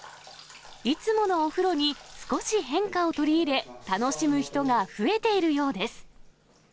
いつものお風呂に少し変化を取り入れ、楽しむ人が増えているようです。